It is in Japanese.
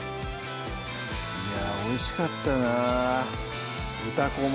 いやおいしかったな豚こま